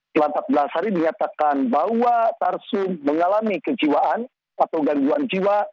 setelah empat belas hari dinyatakan bahwa tarsum mengalami kejiwaan atau gangguan jiwa